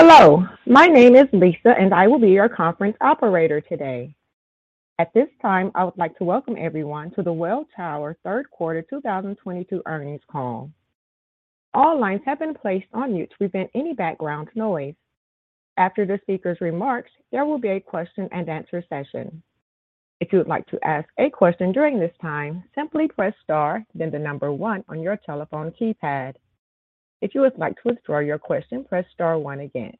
Hello. My name is Lisa, and I will be your conference operator today. At this time, I would like to welcome everyone to the Welltower Third Quarter 2022 Earnings Call. All lines have been placed on mute to prevent any background noise. After the speakers' remarks, there will be a question-and-answer session. If you would like to ask a question during this time, simply press star, then the number 1 on your telephone keypad. If you would like to withdraw your question, press star 1 again.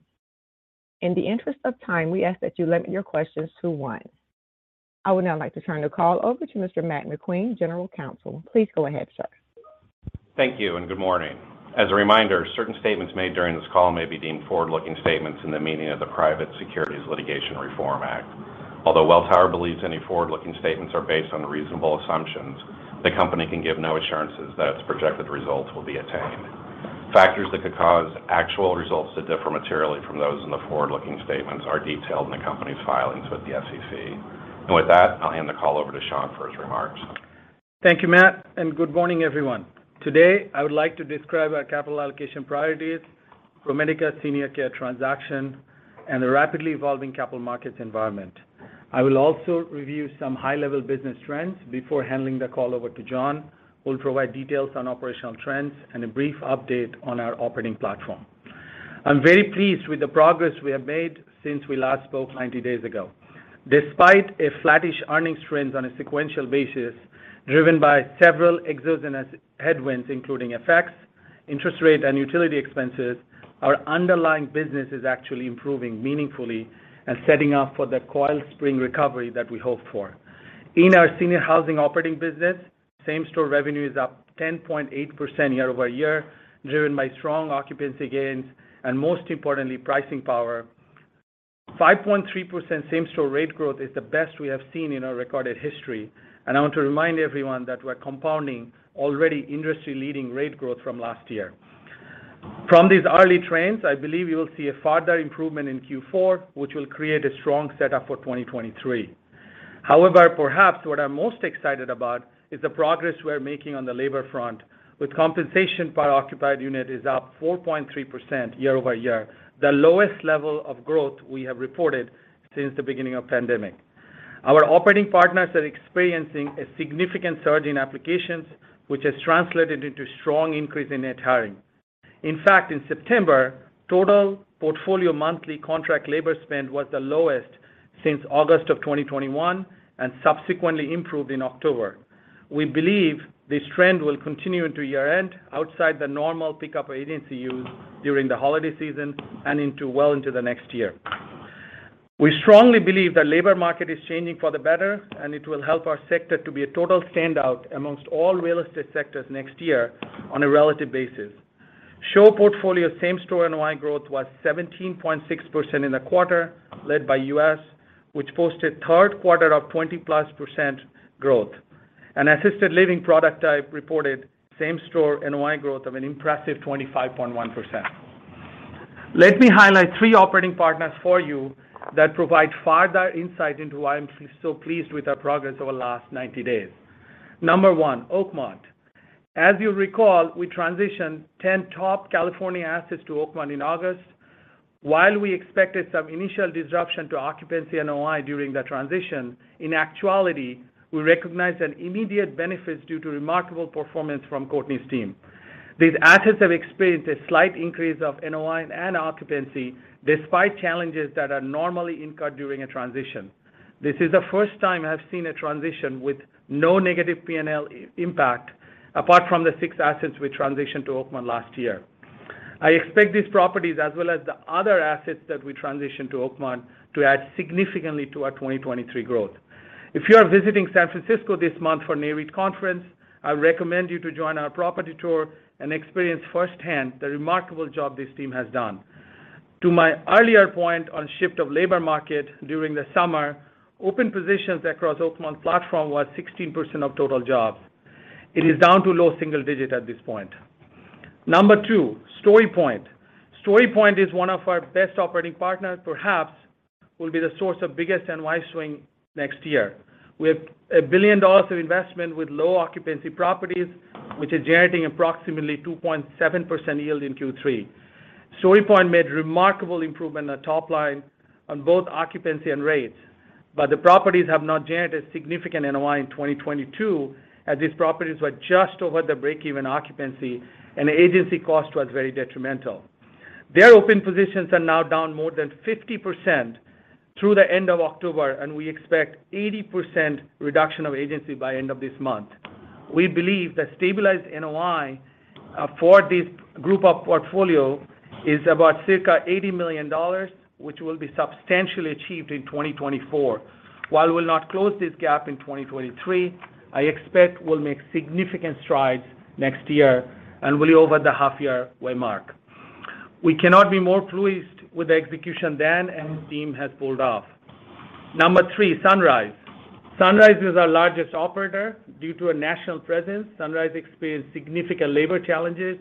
In the interest of time, we ask that you limit your questions to one. I would now like to turn the call over to Mr. Matt McQueen, general counsel. Please go ahead, sir. Thank you. Good morning. As a reminder, certain statements made during this call may be deemed forward-looking statements in the meaning of the Private Securities Litigation Reform Act. Although Welltower believes any forward-looking statements are based on reasonable assumptions, the company can give no assurances that its projected results will be attained. Factors that could cause actual results to differ materially from those in the forward-looking statements are detailed in the company's filings with the SEC. With that, I'll hand the call over to Shankh for his remarks. Thank you, Matt. Good morning, everyone. Today, I would like to describe our capital allocation priorities for ProMedica Senior Care transaction and the rapidly evolving capital markets environment. I will also review some high-level business trends before handing the call over to John, who will provide details on operational trends and a brief update on our operating platform. I'm very pleased with the progress we have made since we last spoke 90 days ago. Despite a flattish earnings trend on a sequential basis driven by several exogenous headwinds, including FX, interest rate, and utility expenses, our underlying business is actually improving meaningfully and setting up for the coil spring recovery that we hoped for. In our senior housing operating business, same-store revenue is up 10.8% year-over-year, driven by strong occupancy gains and, most importantly, pricing power. 5.3% same-store rate growth is the best we have seen in our recorded history, and I want to remind everyone that we're compounding already industry-leading rate growth from last year. From these early trends, I believe we will see a further improvement in Q4, which will create a strong setup for 2023. Perhaps what I'm most excited about is the progress we're making on the labor front with Compensation Per Occupied Room is up 4.3% year-over-year, the lowest level of growth we have reported since the beginning of pandemic. Our operating partners are experiencing a significant surge in applications, which has translated into strong increase in net hiring. In fact, in September, total portfolio monthly contract labor spend was the lowest since August of 2021 and subsequently improved in October. We believe this trend will continue into year-end outside the normal pickup of agency use during the holiday season and well into the next year. We strongly believe the labor market is changing for the better, and it will help our sector to be a total standout amongst all real estate sectors next year on a relative basis. SHOP portfolio same-store NOI growth was 17.6% in the quarter, led by U.S., which posted third quarter of 20%-plus growth. An assisted living product type reported same-store NOI growth of an impressive 25.1%. Let me highlight three operating partners for you that provide further insight into why I'm so pleased with our progress over the last 90 days. Number one, Oakmont. As you recall, we transitioned 10 top California assets to Oakmont in August. While we expected some initial disruption to occupancy NOI during the transition, in actuality, we recognized an immediate benefit due to remarkable performance from Courtney's team. These assets have experienced a slight increase of NOI and occupancy despite challenges that are normally incurred during a transition. This is the first time I've seen a transition with no negative P&L impact apart from the six assets we transitioned to Oakmont last year. I expect these properties, as well as the other assets that we transitioned to Oakmont, to add significantly to our 2023 growth. If you are visiting San Francisco this month for Nareit conference, I recommend you to join our property tour and experience firsthand the remarkable job this team has done. To my earlier point on shift of labor market during the summer, open positions across Oakmont platform was 16% of total jobs. It is down to low single digit at this point. Number two, StoryPoint. StoryPoint is one of our best operating partners, perhaps will be the source of biggest NOI swing next year. We have a $1 billion of investment with low occupancy properties, which is generating approximately 2.7% yield in Q3. StoryPoint made remarkable improvement on top line on both occupancy and rates, but the properties have not generated significant NOI in 2022, as these properties were just over the break-even occupancy, and agency cost was very detrimental. Their open positions are now down more than 50% through the end of October, and we expect 80% reduction of agency by end of this month. We believe that stabilized NOI for this group of portfolio is about circa $80 million, which will be substantially achieved in 2024. While we'll not close this gap in 2023, I expect we'll make significant strides next year and will be over the half-year way mark. We cannot be more pleased with the execution Dan and his team has pulled off. Number three, Sunrise. Sunrise is our largest operator. Due to a national presence, Sunrise experienced significant labor challenges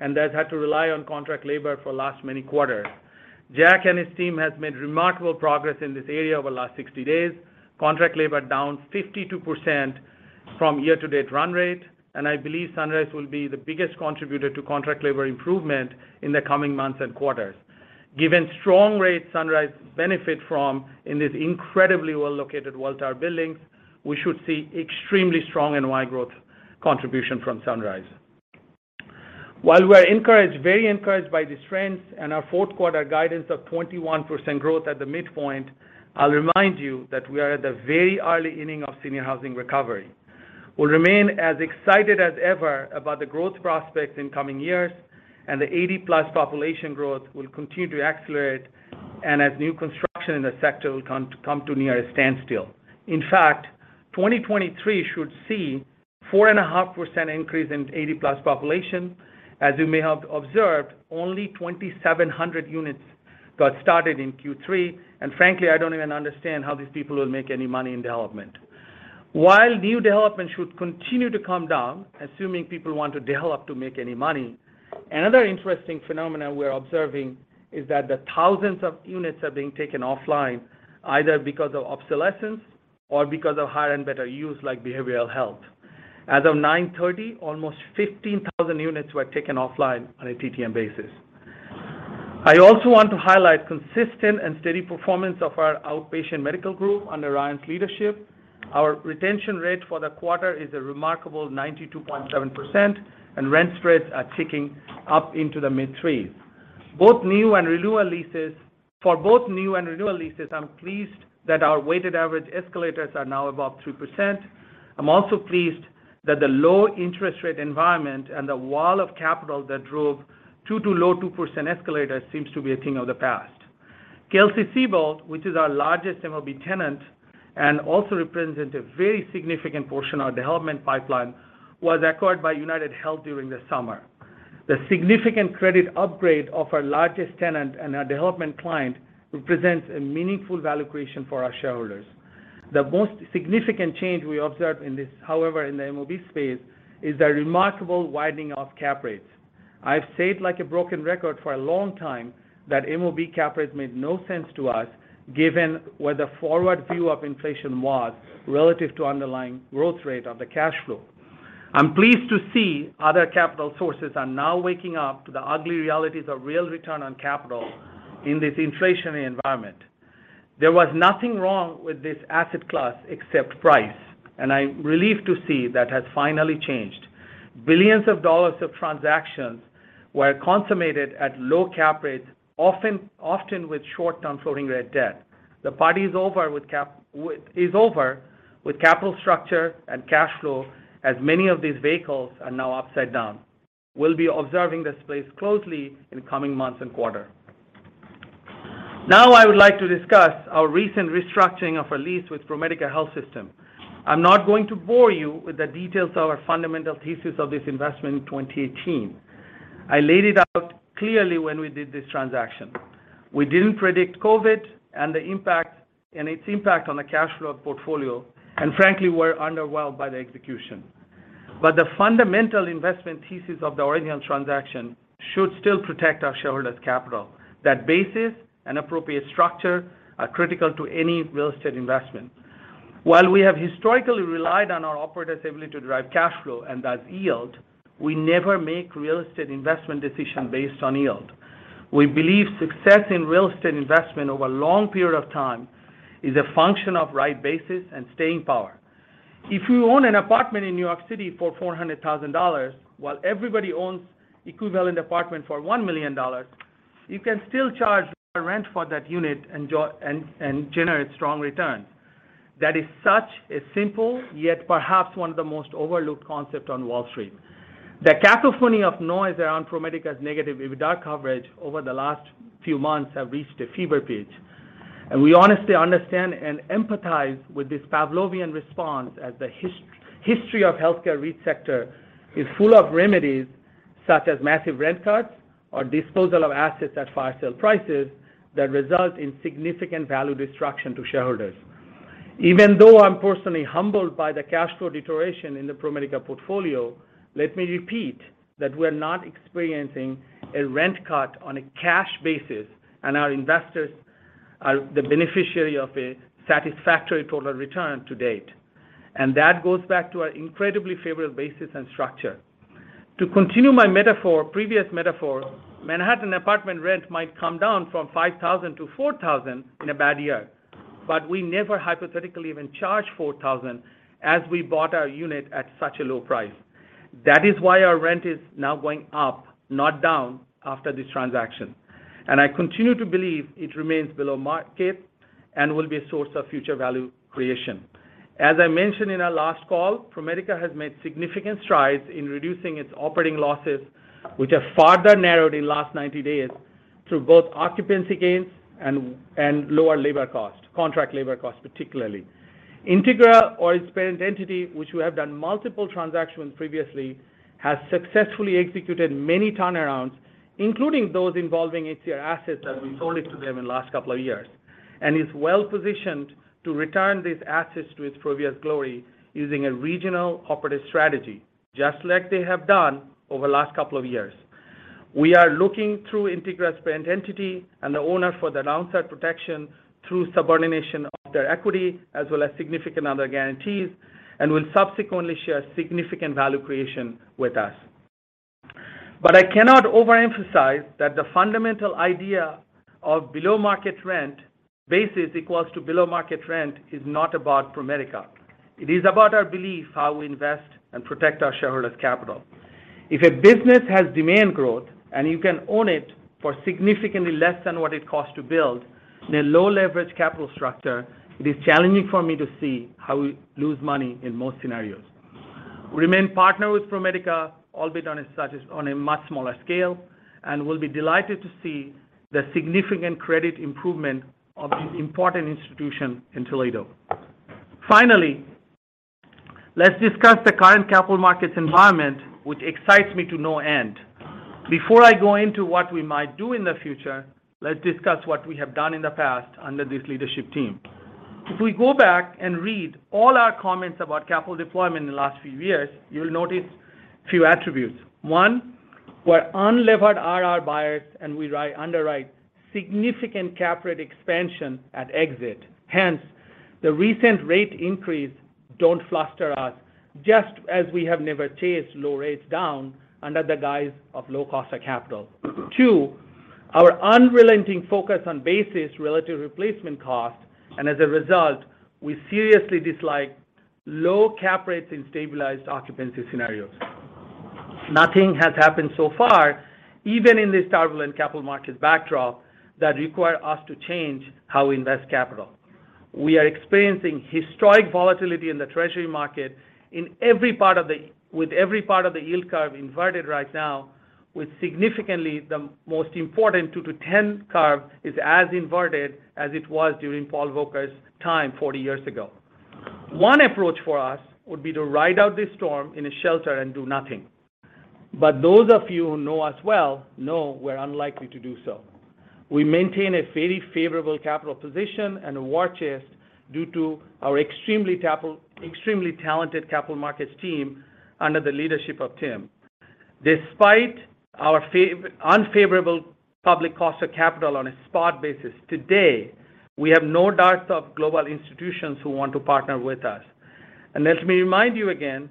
and has had to rely on contract labor for last many quarters. Jack and his team has made remarkable progress in this area over the last 60 days. Contract labor down 52% from year-to-date run rate, and I believe Sunrise will be the biggest contributor to contract labor improvement in the coming months and quarters. Given strong rates Sunrise benefit from in these incredibly well-located Welltower buildings, we should see extremely strong NOI growth contribution from Sunrise. While we're very encouraged by these trends and our fourth quarter guidance of 21% growth at the midpoint, I'll remind you that we are at the very early inning of senior housing recovery. We'll remain as excited as ever about the growth prospects in coming years, and the 80-plus population growth will continue to accelerate and as new construction in the sector will come to near a standstill. In fact, 2023 should see 4.5% increase in 80-plus population. As you may have observed, only 2,700 units got started in Q3, and frankly, I don't even understand how these people will make any money in development. While new development should continue to come down, assuming people want to develop to make any money, another interesting phenomenon we're observing is that the thousands of units are being taken offline either because of obsolescence or because of higher and better use like behavioral health. As of 9/30, almost 15,000 units were taken offline on a TTM basis. I also want to highlight consistent and steady performance of our outpatient medical group under Ryan's leadership. Our retention rate for the quarter is a remarkable 92.7%, and rent rates are ticking up into the mid-three. For both new and renewal leases, I'm pleased that our weighted average escalators are now above 3%. I'm also pleased that the low interest rate environment and the wall of capital that drove too low 2% escalators seems to be a thing of the past. Kelsey-Seybold, which is our largest MOB tenant and also represents a very significant portion of our development pipeline, was acquired by UnitedHealth during the summer. The significant credit upgrade of our largest tenant and our development client represents a meaningful value creation for our shareholders. The most significant change we observed in this, however, in the MOB space, is the remarkable widening of cap rates. I've said like a broken record for a long time that MOB cap rates made no sense to us, given where the forward view of inflation was relative to underlying growth rate of the cash flow. I'm pleased to see other capital sources are now waking up to the ugly realities of real return on capital in this inflationary environment. There was nothing wrong with this asset class except price, and I'm relieved to see that has finally changed. Billions of dollars of transactions were consummated at low cap rates, often with short-term floating rate debt. The party is over with capital structure and cash flow, as many of these vehicles are now upside down. We'll be observing this space closely in coming months and quarter. Now I would like to discuss our recent restructuring of our lease with ProMedica Health System. I'm not going to bore you with the details of our fundamental thesis of this investment in 2018. I laid it out clearly when we did this transaction. We didn't predict COVID and its impact on the cash flow of the portfolio, and frankly, we're underwhelmed by the execution. The fundamental investment thesis of the original transaction should still protect our shareholders' capital. That basis and appropriate structure are critical to any real estate investment. While we have historically relied on our operators' ability to drive cash flow and thus yield, we never make real estate investment decision based on yield. We believe success in real estate investment over a long period of time is a function of right basis and staying power. If you own an apartment in New York City for $400,000 while everybody owns equivalent apartment for $1 million, you can still charge a rent for that unit and generate strong returns. That is such a simple, yet perhaps one of the most overlooked concept on Wall Street. The cacophony of noise around ProMedica's negative EBITDA coverage over the last few months have reached a fever pitch, and we honestly understand and empathize with this Pavlovian response as the history of healthcare REIT sector is full of remedies such as massive rent cuts or disposal of assets at fire sale prices that result in significant value destruction to shareholders. Even though I'm personally humbled by the cash flow deterioration in the ProMedica portfolio, let me repeat that we're not experiencing a rent cut on a cash basis, and our investors are the beneficiary of a satisfactory total return to date. That goes back to our incredibly favorable basis and structure. To continue my previous metaphor, Manhattan apartment rent might come down from 5,000 to 4,000 in a bad year. We never hypothetically even charged 4,000 as we bought our unit at such a low price. That is why our rent is now going up, not down, after this transaction. I continue to believe it remains below market and will be a source of future value creation. As I mentioned in our last call, ProMedica has made significant strides in reducing its operating losses, which have further narrowed in last 90 days through both occupancy gains and lower labor cost, contract labor cost, particularly. Integra or its parent entity, which we have done multiple transactions previously, has successfully executed many turnarounds, including those involving ACA assets that we sold it to them in last couple of years, and is well-positioned to return these assets to its previous glory using a regional operative strategy, just like they have done over last couple of years. We are looking through Integra's parent entity and the owner for the downside protection through subordination of their equity, as well as significant other guarantees, and will subsequently share significant value creation with us. I cannot overemphasize that the fundamental idea of below-market rent basis equals to below-market rent is not about ProMedica. It is about our belief, how we invest, and protect our shareholders' capital. If a business has demand growth and you can own it for significantly less than what it costs to build, in a low leverage capital structure, it is challenging for me to see how we lose money in most scenarios. We remain partner with ProMedica, albeit on a much smaller scale, and will be delighted to see the significant credit improvement of this important institution in Toledo. Finally, let's discuss the current capital markets environment, which excites me to no end. Before I go into what we might do in the future, let's discuss what we have done in the past under this leadership team. If we go back and read all our comments about capital deployment in the last few years, you'll notice a few attributes. One, we're unlevered IRR buyers, and we underwrite significant cap rate expansion at exit. Hence, the recent rate increase don't fluster us, just as we have never chased low rates down under the guise of low cost of capital. Two, our unrelenting focus on basis relative replacement cost, and as a result, we seriously dislike low cap rates in stabilized occupancy scenarios. Nothing has happened so far, even in this turbulent capital markets backdrop, that require us to change how we invest capital. We are experiencing historic volatility in the Treasury market, with every part of the yield curve inverted right now, with significantly the most important 2 to 10 curve is as inverted as it was during Paul Volcker's time 40 years ago. One approach for us would be to ride out this storm in a shelter and do nothing. Those of you who know us well, know we're unlikely to do so. We maintain a very favorable capital position and a war chest due to our extremely talented capital markets team under the leadership of Tim. Despite our unfavorable public cost of capital on a spot basis today, we have no dearth of global institutions who want to partner with us. Let me remind you again,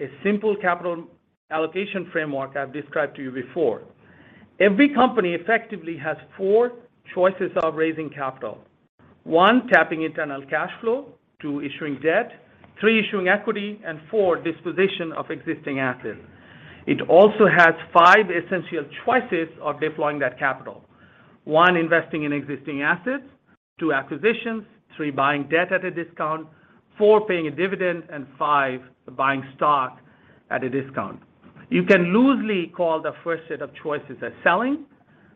a simple capital allocation framework I've described to you before. Every company effectively has four choices of raising capital. One, tapping internal cash flow. Two, issuing debt. Three, issuing equity, and four, disposition of existing assets. It also has five essential choices of deploying that capital. One, investing in existing assets. Two, acquisitions. Three, buying debt at a discount. Four, paying a dividend, and five, buying stock at a discount. You can loosely call the first set of choices as selling,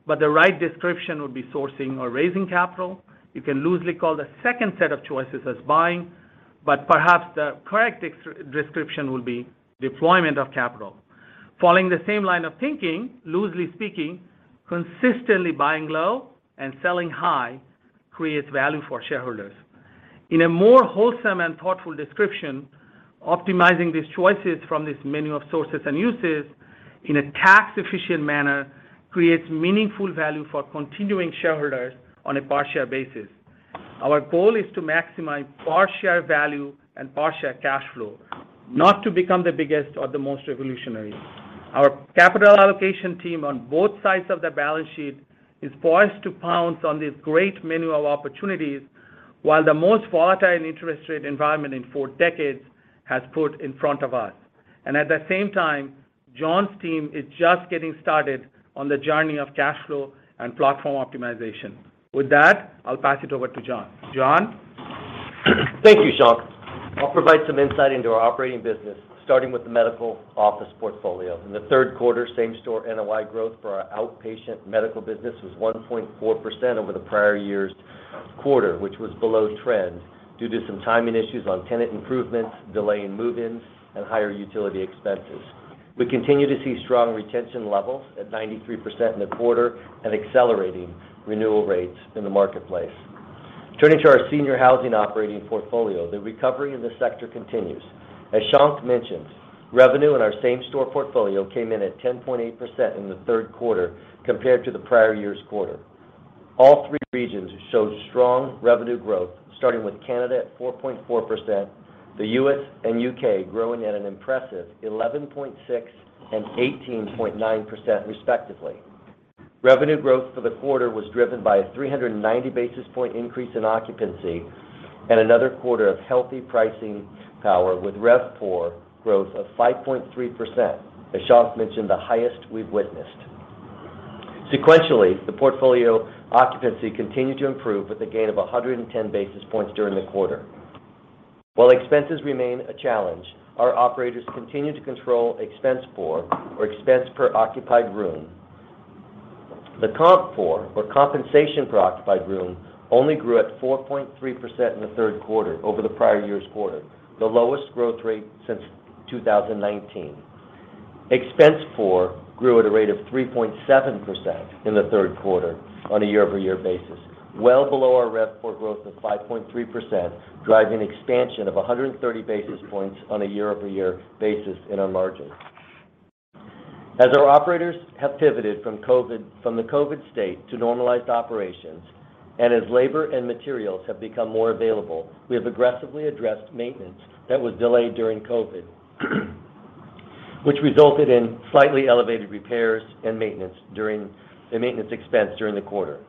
but the right description would be sourcing or raising capital. You can loosely call the second set of choices as buying, but perhaps the correct description will be deployment of capital. Following the same line of thinking, loosely speaking, consistently buying low and selling high creates value for shareholders. In a more wholesome and thoughtful description, optimizing these choices from this menu of sources and uses in a tax-efficient manner creates meaningful value for continuing shareholders on a per-share basis. Our goal is to maximize per-share value and per-share cash flow, not to become the biggest or the most revolutionary. Our capital allocation team on both sides of the balance sheet is poised to pounce on these great menu of opportunities, while the most volatile interest rate environment in four decades has put in front of us. At the same time, John's team is just getting started on the journey of cash flow and platform optimization. With that, I'll pass it over to John. John? Thank you, Shankh. I'll provide some insight into our operating business, starting with the medical office portfolio. In the third quarter, same store NOI growth for our outpatient medical business was 1.4% over the prior year's quarter, which was below trend due to some timing issues on tenant improvements, delay in move-ins, and higher utility expenses. We continue to see strong retention levels at 93% in the quarter and accelerating renewal rates in the marketplace. Turning to our senior housing operating portfolio. The recovery in this sector continues. As Shankh mentioned, revenue in our same store portfolio came in at 10.8% in the third quarter compared to the prior year's quarter. All three regions showed strong revenue growth, starting with Canada at 4.4%, the U.S. and U.K. growing at an impressive 11.6% and 18.9% respectively. Revenue growth for the quarter was driven by a 390 basis point increase in occupancy and another quarter of healthy pricing power with RevPOR growth of 5.3%. As Shankh mentioned, the highest we've witnessed. Sequentially, the portfolio occupancy continued to improve with a gain of 110 basis points during the quarter. While expenses remain a challenge, our operators continue to control expense POR or expense per occupied room. The CompPOR, or compensation per occupied room, only grew at 4.3% in the third quarter over the prior year's quarter, the lowest growth rate since 2019. Expense POR grew at a rate of 3.7% in the third quarter on a year-over-year basis, well below our RevPOR growth of 5.3%, driving expansion of 130 basis points on a year-over-year basis in our margins. As our operators have pivoted from the COVID state to normalized operations, and as labor and materials have become more available, we have aggressively addressed maintenance that was delayed during COVID, which resulted in slightly elevated repairs and maintenance expense during the quarter.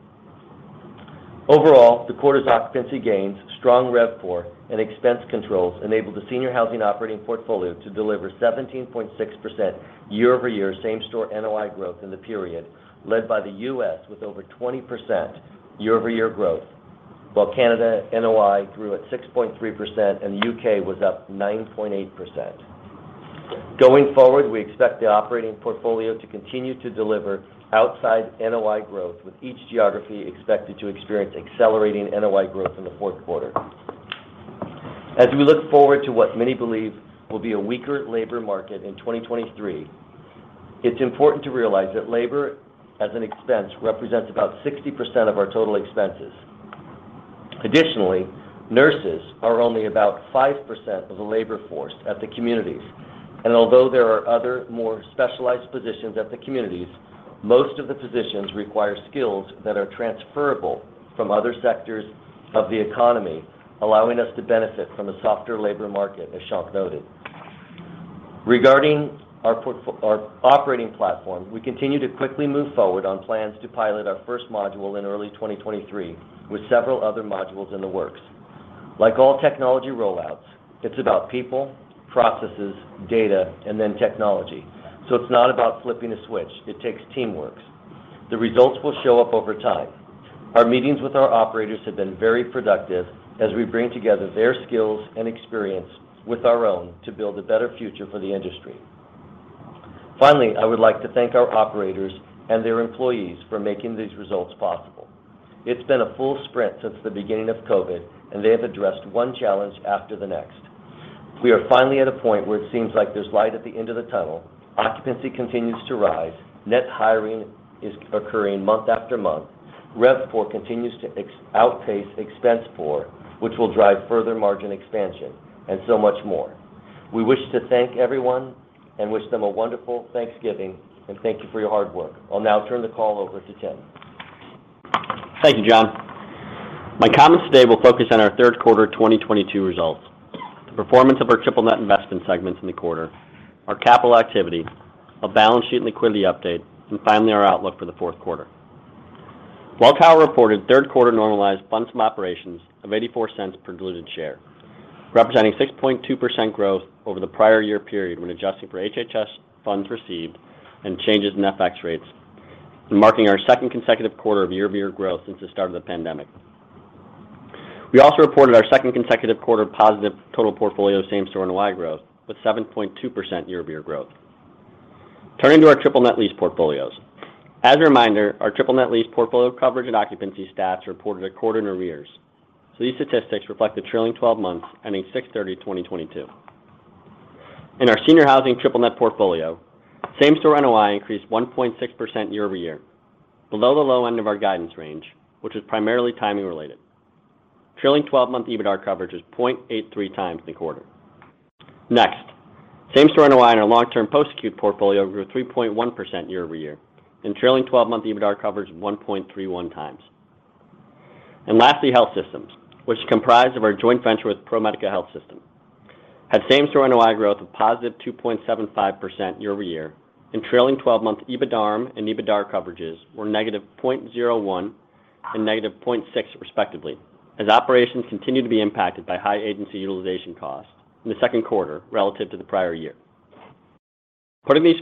Overall, the quarter's occupancy gains, strong RevPOR, and expense controls enabled the senior housing operating portfolio to deliver 17.6% year-over-year same-store NOI growth in the period, led by the U.S. with over 20% year-over-year growth, while Canada NOI grew at 6.3% and the U.K. was up 9.8%. Going forward, we expect the operating portfolio to continue to deliver outside NOI growth, with each geography expected to experience accelerating NOI growth in the fourth quarter. As we look forward to what many believe will be a weaker labor market in 2023, it's important to realize that labor as an expense represents about 60% of our total expenses. Additionally, nurses are only about 5% of the labor force at the communities. Although there are other, more specialized positions at the communities, most of the positions require skills that are transferable from other sectors of the economy, allowing us to benefit from a softer labor market, as Shankh noted. Regarding our operating platform, we continue to quickly move forward on plans to pilot our first module in early 2023, with several other modules in the works. Like all technology rollouts, it's about people, processes, data, and then technology. It's not about flipping a switch. It takes teamwork. The results will show up over time. Our meetings with our operators have been very productive as we bring together their skills and experience with our own to build a better future for the industry. I would like to thank our operators and their employees for making these results possible. It's been a full sprint since the beginning of COVID, and they have addressed one challenge after the next. We are finally at a point where it seems like there's light at the end of the tunnel. Occupancy continues to rise. Net hiring is occurring month after month. RevPOR continues to outpace expense POR, which will drive further margin expansion, and so much more. We wish to thank everyone and wish them a wonderful Thanksgiving, and thank you for your hard work. I'll now turn the call over to Tim. Thank you, John. My comments today will focus on our third quarter 2022 results, the performance of our triple net investment segments in the quarter, our capital activity, a balance sheet and liquidity update, and finally, our outlook for the fourth quarter. Welltower reported third quarter normalized funds from operations of $0.84 per diluted share, representing 6.2% growth over the prior year period when adjusting for HHS funds received and changes in FX rates, and marking our second consecutive quarter of year-over-year growth since the start of the pandemic. We also reported our second consecutive quarter positive total portfolio same-store NOI growth, with 7.2% year-over-year growth. Turning to our triple net lease portfolios. As a reminder, our triple net lease portfolio coverage and occupancy stats are reported a quarter in arrears, so these statistics reflect the trailing 12 months ending 6/30/2022. In our senior housing triple net portfolio, same-store NOI increased 1.6% year-over-year, below the low end of our guidance range, which was primarily timing related. Trailing 12-month EBITDAR coverage was 0.83 times in the quarter. Same-store NOI in our long-term post-acute portfolio grew 3.1% year-over-year and trailing 12-month EBITDAR coverage 1.31 times. Lastly, health systems, which comprise of our joint venture with ProMedica Health System, had same-store NOI growth of positive 2.75% year-over-year and trailing 12-month EBITDARM and EBITDAR coverages were -0.01 and -0.6 respectively, as operations continue to be impacted by high agency utilization costs in the second quarter relative to the prior year. Putting these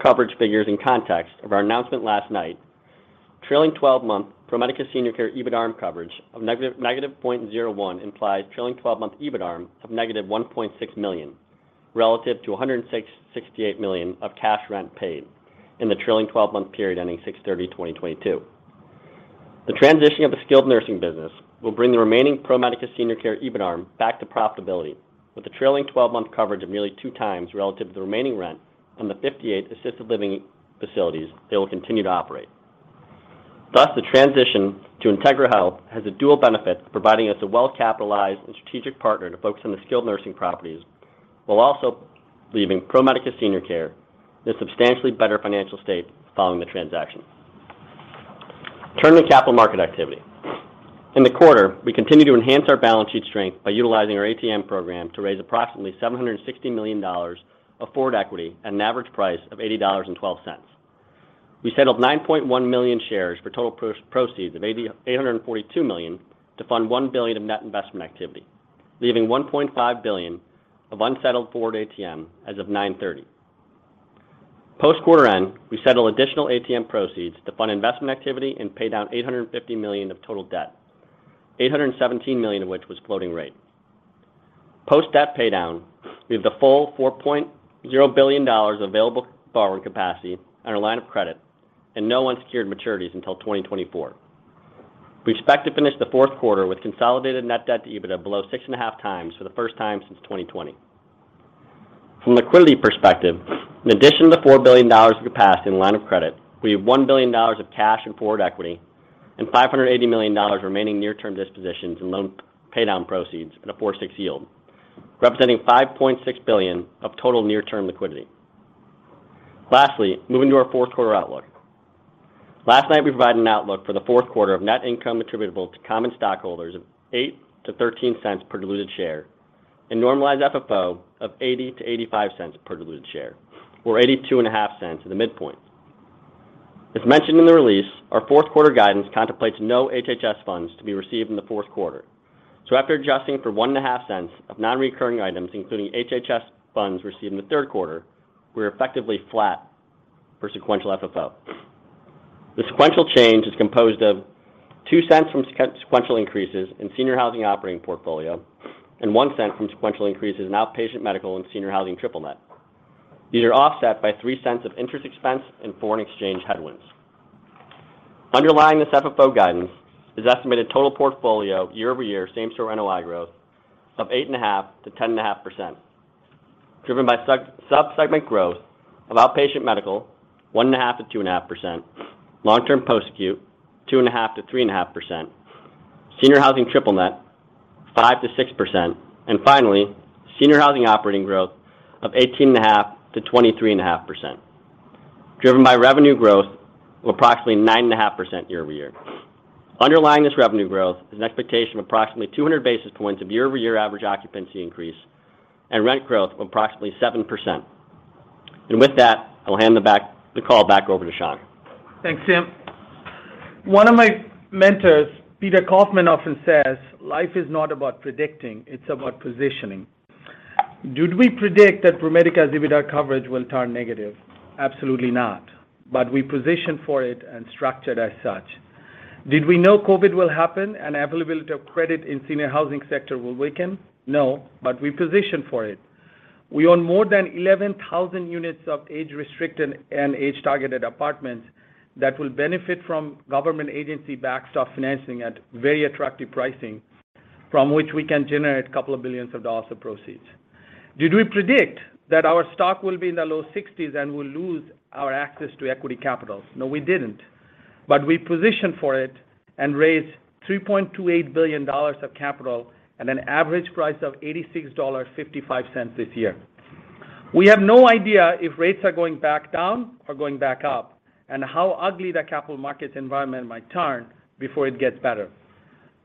coverage figures in context of our announcement last night, trailing 12-month ProMedica Senior Care EBITDARM coverage of -0.01 implies trailing 12-month EBITDARM of -$1.6 million, relative to $168 million of cash rent paid in the trailing 12-month period ending 6/30/2022. The transitioning of the skilled nursing business will bring the remaining ProMedica Senior Care EBITDARM back to profitability, with a trailing 12-month coverage of nearly two times relative to the remaining rent from the 58 assisted living facilities that will continue to operate. Thus, the transition to Integra Health has a dual benefit, providing us a well-capitalized and strategic partner to focus on the skilled nursing properties, while also leaving ProMedica Senior Care in a substantially better financial state following the transaction. Turning to capital market activity. In the quarter, we continued to enhance our balance sheet strength by utilizing our ATM program to raise approximately $760 million of forward equity at an average price of $80.12. We settled 9.1 million shares for total proceeds of $842 million to fund $1 billion of net investment activity, leaving $1.5 billion of unsettled forward ATM as of 9/30. Post quarter-end, we settled additional ATM proceeds to fund investment activity and pay down $850 million of total debt, $817 million of which was floating rate. Post-debt paydown, we have the full $4.0 billion of available borrowing capacity on our line of credit and no unsecured maturities until 2024. We expect to finish the fourth quarter with consolidated net debt to EBITDA below 6.5 times for the first time since 2020. From a liquidity perspective, in addition to the $4 billion of capacity in line of credit, we have $1 billion of cash and forward equity and $580 million remaining near-term dispositions and loan paydown proceeds at a 4.6 yield, representing $5.6 billion of total near-term liquidity. Lastly, moving to our fourth quarter outlook. Last night we provided an outlook for the fourth quarter of net income attributable to common stockholders of $0.08 to $0.13 per diluted share and normalized FFO of $0.80 to $0.85 per diluted share, or $0.825 in the midpoint. As mentioned in the release, our fourth quarter guidance contemplates no HHS funds to be received in the fourth quarter. After adjusting for $0.015 of non-recurring items, including HHS funds received in the third quarter, we're effectively flat for sequential FFO. The sequential change is composed of $0.02 from sequential increases in senior housing operating portfolio and $0.01 from sequential increases in outpatient medical and senior housing triple-net. These are offset by $0.03 of interest expense and foreign exchange headwinds. Underlying this FFO guidance is estimated total portfolio year-over-year same store NOI growth of 8.5%-10.5%, driven by sub-segment growth of outpatient medical 1.5%-2.5%, long-term post-acute 2.5%-3.5%, senior housing triple-net 5%-6%, and finally, senior housing operating growth of 18.5%-23.5%, driven by revenue growth of approximately 9.5% year-over-year. Underlying this revenue growth is an expectation of approximately 200 basis points of year-over-year average occupancy increase and rent growth of approximately 7%. With that, I will hand the call back over to Shankh. Thanks, Tim. One of my mentors, Peter Kaufman, often says, "Life is not about predicting, it's about positioning." Did we predict that ProMedica's EBITDA coverage will turn negative? Absolutely not. We positioned for it and structured as such. Did we know COVID will happen and availability of credit in senior housing sector will weaken? No, we positioned for it. We own more than 11,000 units of age-restricted and age-targeted apartments that will benefit from government agency backed soft financing at very attractive pricing, from which we can generate a couple of billions of dollars of proceeds. Did we predict that our stock will be in the low 60s and we'll lose our access to equity capital? No, we didn't. We positioned for it and raised $3.28 billion of capital at an average price of $86.55 this year. We have no idea if rates are going back down or going back up, and how ugly the capital markets environment might turn before it gets better.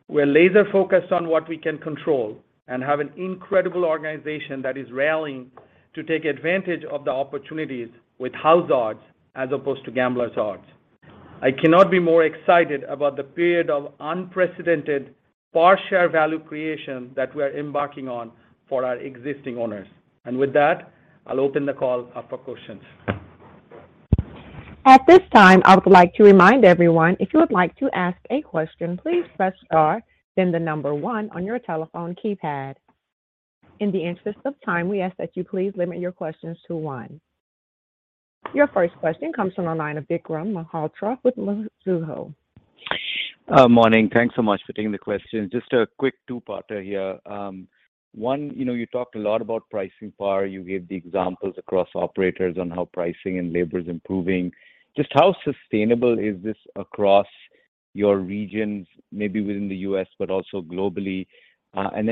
We're laser focused on what we can control and have an incredible organization that is rallying to take advantage of the opportunities with house odds as opposed to gambler's odds. I cannot be more excited about the period of unprecedented per share value creation that we are embarking on for our existing owners. With that, I'll open the call up for questions. At this time, I would like to remind everyone, if you would like to ask a question, please press star, then the number 1 on your telephone keypad. In the interest of time, we ask that you please limit your questions to one. Your first question comes from the line of Vikram Malhotra with Mizuho. Morning. Thanks so much for taking the question. Just a quick two-parter here. One, you talked a lot about pricing power. You gave the examples across operators on how pricing and labor is improving.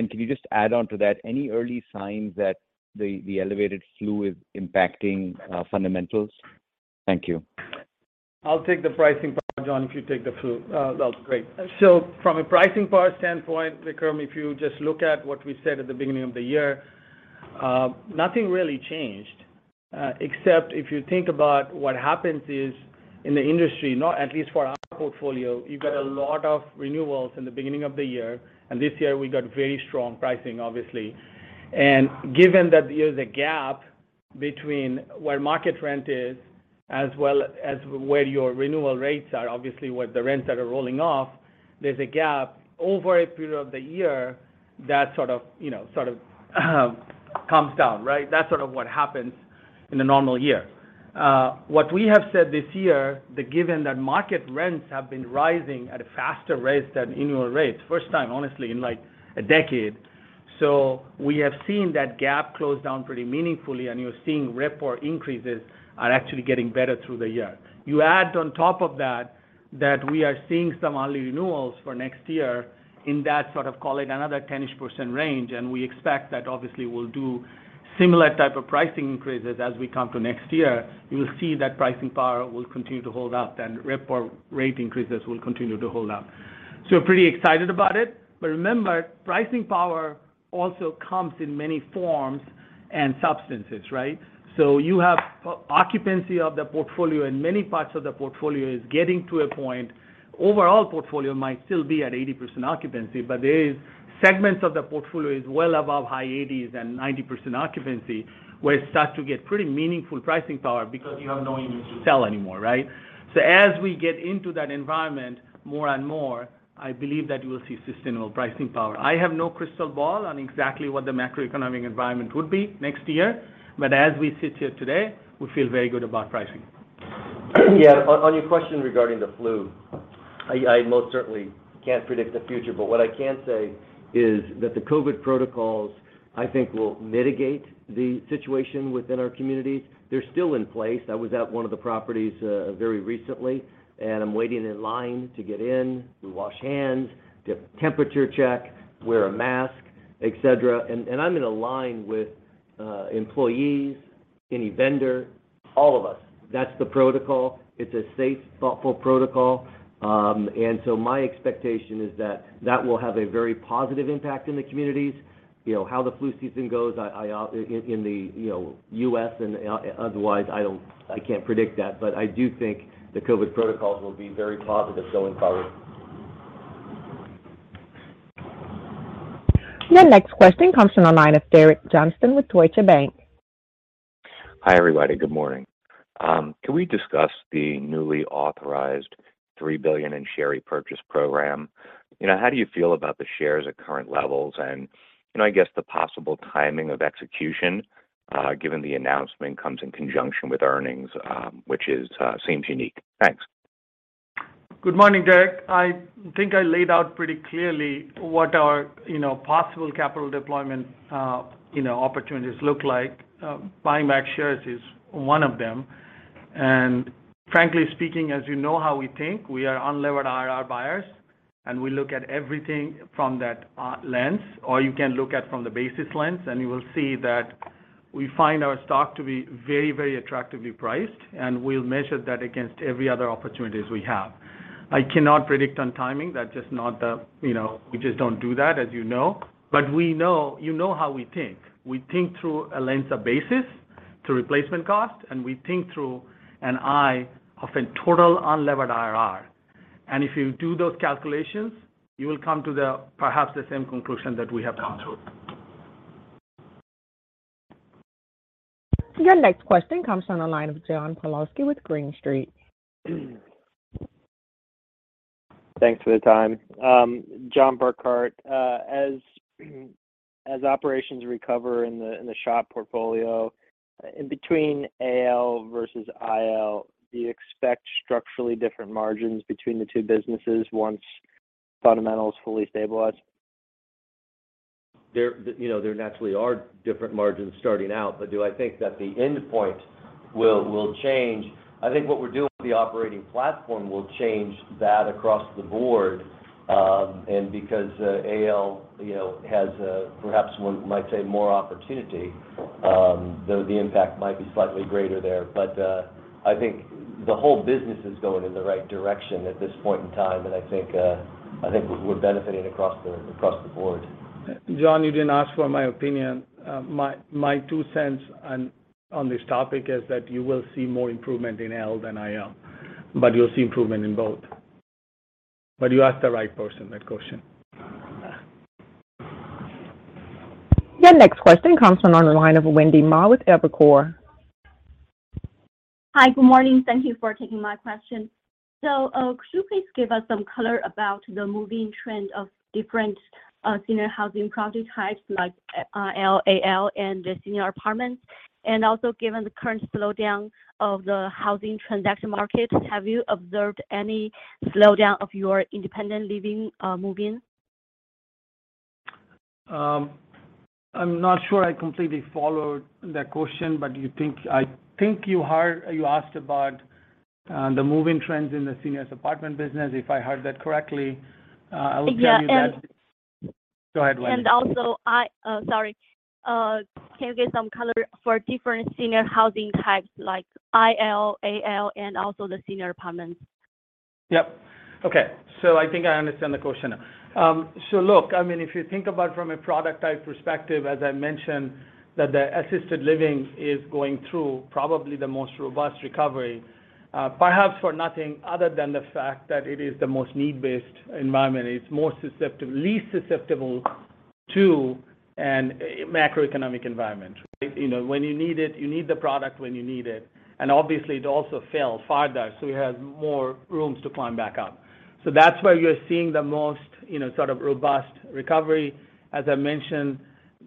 Can you just add on to that any early signs that the elevated flu is impacting fundamentals? Thank you. I'll take the pricing part, John, if you take the flu. Great. From a pricing power standpoint, Vikram, if you just look at what we said at the beginning of the year, nothing really changed. Except if you think about what happens is in the industry, not at least for our portfolio, you've got a lot of renewals in the beginning of the year, and this year we got very strong pricing, obviously. Given that there's a gap between where market rent is as well as where your renewal rates are, obviously with the rents that are rolling off, there's a gap over a period of the year that sort of comes down, right? That's sort of what happens in a normal year. What we have said this year, given that market rents have been rising at a faster rate than annual rates, first time, honestly, in like a decade. We have seen that gap close down pretty meaningfully, and you're seeing RevPOR increases are actually getting better through the year. You add on top of that we are seeing some early renewals for next year in that sort of call it another 10-ish percent range, and we expect that obviously we'll do similar type of pricing increases as we come to next year. You will see that pricing power will continue to hold up, RevPOR rate increases will continue to hold up. Pretty excited about it. Remember, pricing power also comes in many forms and substances, right? You have occupancy of the portfolio in many parts of the portfolio is getting to a point. Overall portfolio might still be at 80% occupancy, but there is segments of the portfolio is well above high 80s and 90% occupancy, where it starts to get pretty meaningful pricing power because you have no units to sell anymore, right? As we get into that environment more and more, I believe that you will see sustainable pricing power. I have no crystal ball on exactly what the macroeconomic environment would be next year. As we sit here today, we feel very good about pricing. Yeah. On your question regarding the flu, I most certainly can't predict the future, what I can say is that the COVID protocols, I think will mitigate the situation within our communities. They're still in place. I was at one of the properties very recently, I'm waiting in line to get in. We wash hands, get temperature check, wear a mask, et cetera. I'm in a line with employees any vendor, all of us. That's the protocol. It's a safe, thoughtful protocol. My expectation is that that will have a very positive impact in the communities. How the flu season goes in the U.S. and otherwise, I can't predict that, I do think the COVID protocols will be very positive going forward. Your next question comes from the line of Derek Johnston with Deutsche Bank. Hi, everybody. Good morning. Can we discuss the newly authorized $3 billion in share repurchase program? How do you feel about the shares at current levels and, I guess, the possible timing of execution, given the announcement comes in conjunction with earnings, which seems unique? Thanks. Good morning, Derek. I think I laid out pretty clearly what our possible capital deployment opportunities look like. Buying back shares is one of them. Frankly speaking, as you know how we think, we are unlevered IRR buyers. We look at everything from that lens, or you can look at from the basis lens. You will see that we find our stock to be very, very attractively priced, and we'll measure that against every other opportunities we have. I cannot predict on timing. We just don't do that, as you know. You know how we think. We think through a lens of basis, through replacement cost, and we think through an eye of a total unlevered IRR. If you do those calculations, you will come to perhaps the same conclusion that we have come to. Your next question comes from the line of John Pawlowski with Green Street. Thanks for the time. John Burkart. As operations recover in the SHOP portfolio, in between AL versus IL, do you expect structurally different margins between the two businesses once fundamentals fully stabilize? There naturally are different margins starting out. Do I think that the endpoint will change? I think what we're doing with the operating platform will change that across the board. Because AL has perhaps one might say more opportunity, though the impact might be slightly greater there. I think the whole business is going in the right direction at this point in time, and I think we're benefiting across the board. John, you didn't ask for my opinion. My two cents on this topic is that you will see more improvement in IL than AL, but you'll see improvement in both. You asked the right person that question. Your next question comes from the line of Wendy Ma with Evercore. Hi. Good morning. Thank you for taking my question. Could you please give us some color about the moving trend of different senior housing property types like IL, AL, and the senior apartments? Also, given the current slowdown of the housing transaction market, have you observed any slowdown of your independent living move-in? I'm not sure I completely followed that question, but I think you asked about the moving trends in the seniors apartment business, if I heard that correctly. Yeah. Go ahead, Wendy. Also, sorry. Can you give some color for different senior housing types like IL, AL, and also the senior apartments? Yep. Okay. I think I understand the question now. Look, if you think about from a product type perspective, as I mentioned that the assisted living is going through probably the most robust recovery, perhaps for nothing other than the fact that it is the most need-based environment. It's least susceptible to a macroeconomic environment. You need the product when you need it. Obviously it also fell farther, so it has more rooms to climb back up. That's why you're seeing the most sort of robust recovery. As I mentioned,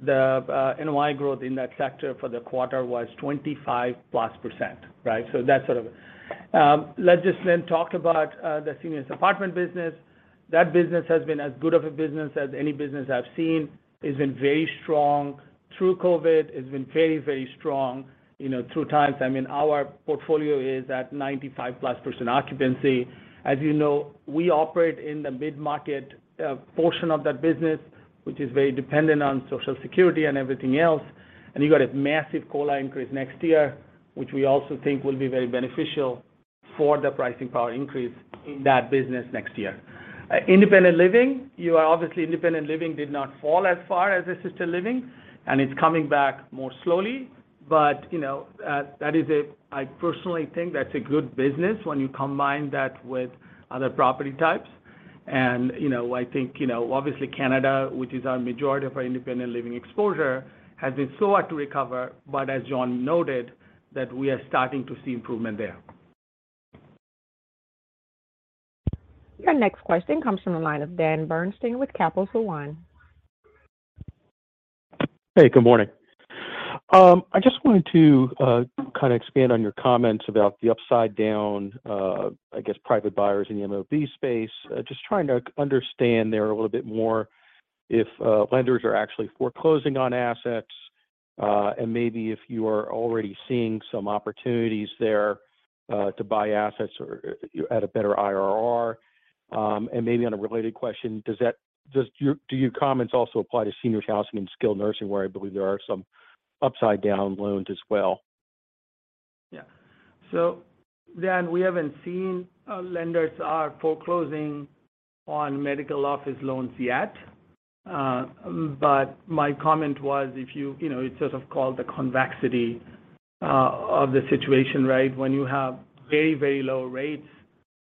the NOI growth in that sector for the quarter was 25+%. Right? That's sort of it. Let's just talk about the seniors apartment business. That business has been as good of a business as any business I've seen. It's been very strong through COVID, it's been very strong through times. Our portfolio is at 95+% occupancy. As you know, we operate in the mid-market portion of that business, which is very dependent on Social Security and everything else. You got a massive COLA increase next year, which we also think will be very beneficial for the pricing power increase in that business next year. Independent living. Obviously, independent living did not fall as far as assisted living, and it's coming back more slowly. I personally think that's a good business when you combine that with other property types. I think, obviously Canada, which is our majority of our independent living exposure, has been slow out to recover, but as John noted, that we are starting to see improvement there. Your next question comes from the line of Daniel Bernstein with Capital One. Hey, good morning. I just wanted to kind of expand on your comments about the upside down, I guess private buyers in the MOB space. Just trying to understand there a little bit more if lenders are actually foreclosing on assets. Maybe if you are already seeing some opportunities there to buy assets or at a better IRR. Maybe on a related question, do your comments also apply to senior housing and skilled nursing, where I believe there are some upside down loans as well? Yeah. Dan, we haven't seen lenders are foreclosing on medical office loans yet. My comment was, it's sort of called the convexity of the situation, right. When you have very low rates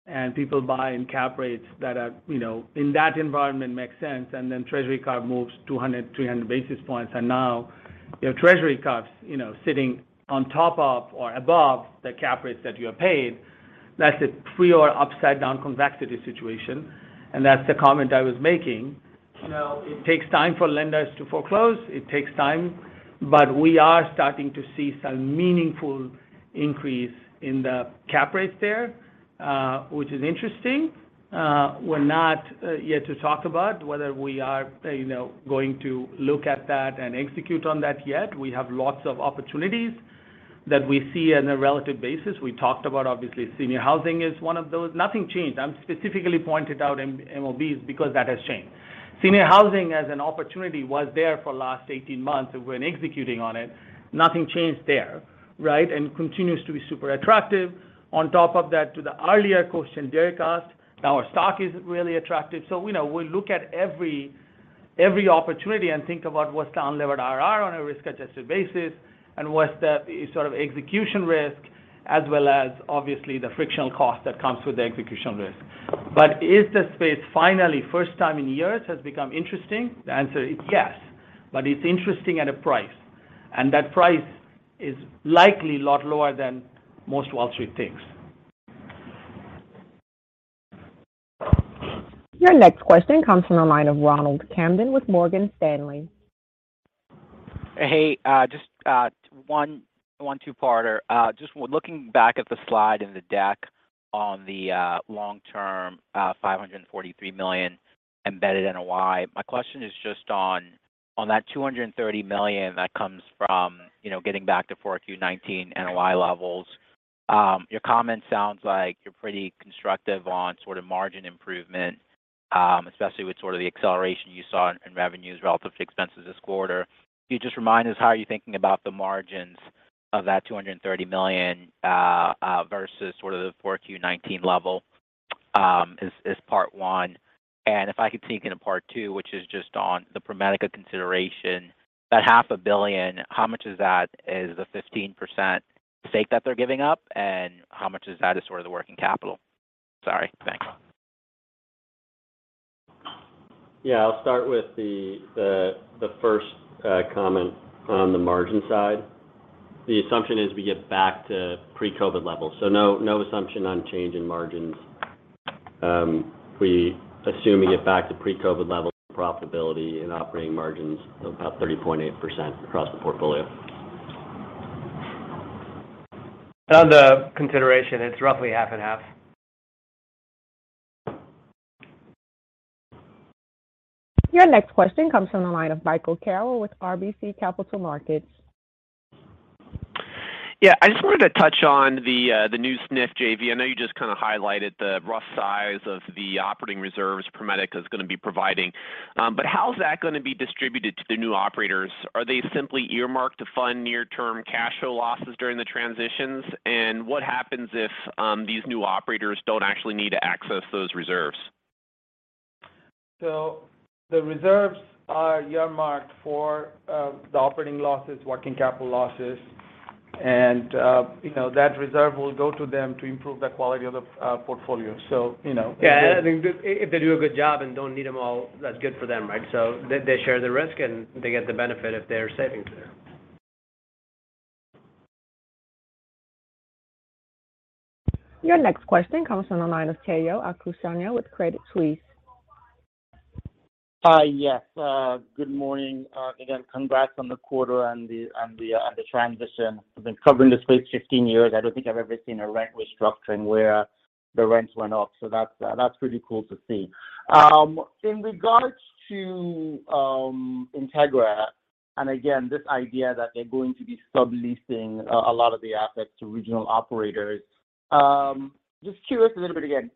and people buy in cap rates that in that environment makes sense, then Treasury curve moves 200, 300 basis points, and now your Treasury curve's sitting on top of or above the cap rates that you have paid. That's a pre- or upside down convexity situation, that's the comment I was making. It takes time for lenders to foreclose. It takes time. We are starting to see some meaningful increase in the cap rates there, which is interesting. We're not yet to talk about whether we are going to look at that and execute on that yet. We have lots of opportunities that we see on a relative basis. We talked about, obviously, senior housing is one of those. Nothing changed. I specifically pointed out MOBs because that has changed. Senior housing as an opportunity was there for the last 18 months. We've been executing on it. Nothing changed there. Right. Continues to be super attractive. On top of that, to the earlier question Derek asked, our stock is really attractive. We'll look at every opportunity and think about what's the unlevered IRR on a risk-adjusted basis, and what's the sort of execution risk, as well as obviously the frictional cost that comes with the execution risk. Is the space finally, first time in years, has become interesting? The answer is yes, but it's interesting at a price. That price is likely a lot lower than most Wall Street thinks. Your next question comes from the line of Ronald Kamdem with Morgan Stanley. Just one two-parter. Just looking back at the slide in the deck on the long-term, $543 million embedded NOI. My question is just on that $230 million that comes from getting back to 4Q 2019 NOI levels. Your comment sounds like you're pretty constructive on sort of margin improvement, especially with sort of the acceleration you saw in revenues relative to expenses this quarter. Can you just remind us how you're thinking about the margins of that $230 million versus sort of the 4Q 2019 level is part one. If I could sneak in a part two, which is just on the ProMedica consideration. That half a billion, how much of that is the 15% stake that they're giving up, and how much of that is sort of the working capital? Sorry. Thanks. I'll start with the first comment on the margin side. The assumption is we get back to pre-COVID levels, so no assumption on change in margins. We assume we get back to pre-COVID levels of profitability and operating margins of about 30.8% across the portfolio. On the consideration, it's roughly half and half. Your next question comes from the line of Michael Carroll with RBC Capital Markets. I just wanted to touch on the new SNF JV. I know you just kind of highlighted the rough size of the operating reserves ProMedica is going to be providing. How is that going to be distributed to the new operators? Are they simply earmarked to fund near-term cash flow losses during the transitions? What happens if these new operators don't actually need to access those reserves? The reserves are earmarked for the operating losses, working capital losses, and that reserve will go to them to improve the quality of the portfolio. Yeah, if they do a good job and don't need them all, that's good for them, right? They share the risk, and they get the benefit if there are savings there. Your next question comes from the line of Adetayo Akisanya with Credit Suisse. Hi. Yes. Good morning. Again, congrats on the quarter and the transition. I've been covering the space 15 years. I don't think I've ever seen a rent restructuring where the rents went up, so that's pretty cool to see. In regards to Integra, and again, this idea that they're going to be subleasing a lot of the assets to regional operators. Just curious a little bit again,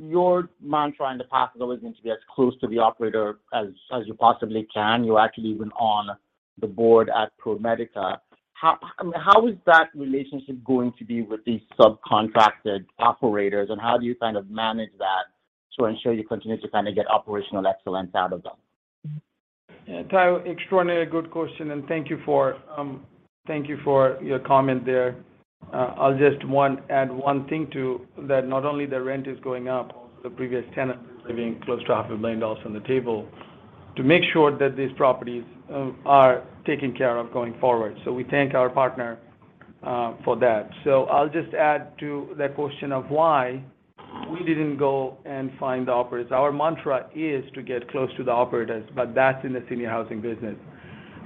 your mantra in the past has always been to be as close to the operator as you possibly can. You're actually even on the board at ProMedica. How is that relationship going to be with these subcontracted operators, and how do you kind of manage that to ensure you continue to kind of get operational excellence out of them? Tayo, extraordinary good question. Thank you for your comment there. I'll just add one thing too, that not only the rent is going up. The previous tenant is leaving close to half a billion dollars on the table to make sure that these properties are taken care of going forward. We thank our partner for that. I'll just add to that question of why we didn't go and find the operators. Our mantra is to get close to the operators, that's in the senior housing business.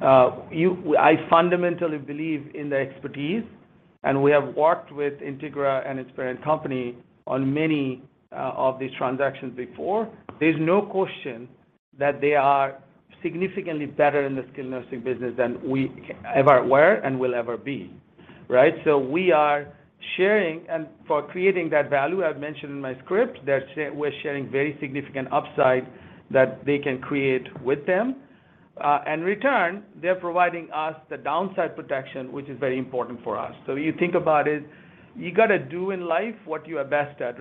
I fundamentally believe in the expertise, we have worked with Integra and its parent company on many of these transactions before. There's no question that they are significantly better in the skilled nursing business than we ever were and will ever be. We are sharing, for creating that value, I've mentioned in my script that we're sharing very significant upside that they can create with them. In return, they're providing us the downside protection, which is very important for us. You think about it, you got to do in life what you are best at.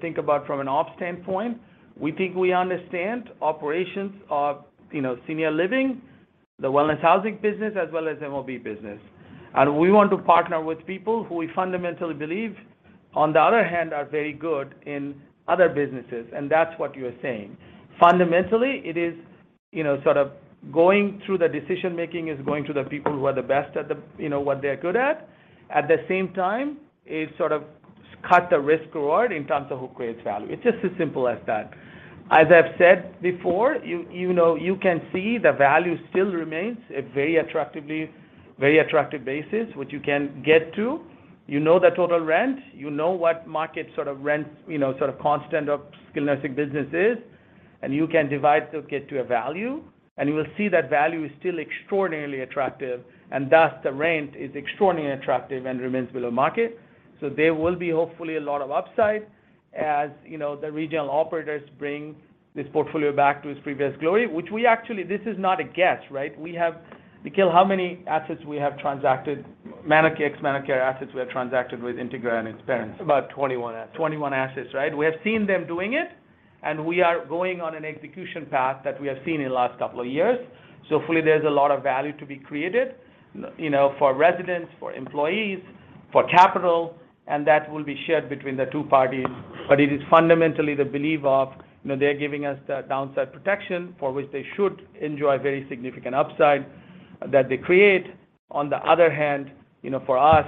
Think about from an ops standpoint, we think we understand operations of senior living, the wellness housing business, as well as MOB business. We want to partner with people who we fundamentally believe, on the other hand, are very good in other businesses, that's what you are saying. Fundamentally, it is sort of going through the decision-making, is going to the people who are the best at what they're good at. At the same time, it sort of cut the risk reward in terms of who creates value. It's just as simple as that. As I've said before, you can see the value still remains at very attractive basis, which you can get to. You know the total rent. You know what market sort of rents, sort of constant of skilled nursing business is. You can divide to get to a value, you will see that value is still extraordinarily attractive, thus the rent is extraordinarily attractive and remains below market. There will be hopefully a lot of upside as the regional operators bring this portfolio back to its previous glory, which we actually, this is not a guess. Nikhil, how many assets we have transacted, managed care assets we have transacted with Integra and its parents? About 21 assets. 21 assets. We have seen them doing it, we are going on an execution path that we have seen in the last couple of years. Hopefully there's a lot of value to be created for residents, for employees, for capital, and that will be shared between the two parties. It is fundamentally the belief of, they're giving us the downside protection for which they should enjoy very significant upside that they create. On the other hand, for us,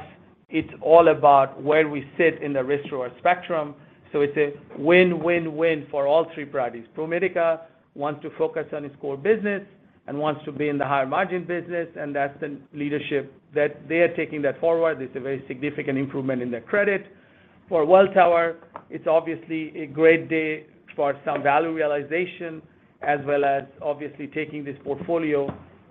it's all about where we sit in the risk reward spectrum. It's a win-win-win for all three parties. ProMedica wants to focus on its core business and wants to be in the higher margin business, and that's the leadership that they are taking that forward. It's a very significant improvement in their credit. For Welltower, it's obviously a great day for some value realization, as well as obviously taking this portfolio